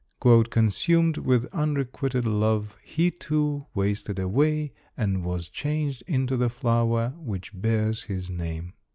"Consumed with unrequited love, he too, wasted away and was changed into the flower which bears his name."